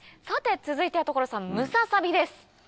さて続いては所さんムササビです。